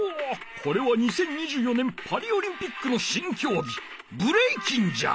これは２０２４年パリオリンピックのしんきょうぎブレイキンじゃ！